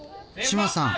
志麻さん